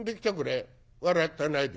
笑ってないで。